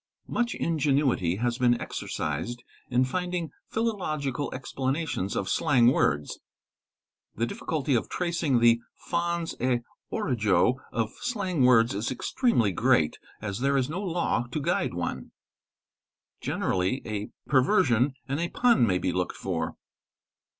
Much ingenuity has been exercised in finding philological explanations: of slang words. The difficulty of tracing the fons et origo of slang words is extremely great, as there is no law to guide one. Generally, a perver sion and a pun may be looked for.